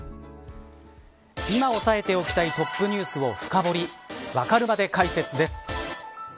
今、押さえておきたいＴｏｐｎｅｗｓを深掘りわかるまで解説です。